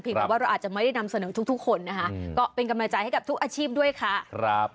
เพียงแต่ว่าเราอาจจะไม่ได้นำเสนอทุกคนนะคะก็เป็นกรรมาจัยให้กับทุกอาชีพด้วยค่ะ